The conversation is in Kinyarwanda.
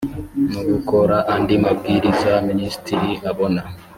no gukora andi mabwiriza minisitiri abona